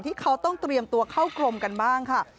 ที่เขาต้องเตรียมตัวเข้ากรมกันบ้างค่ะ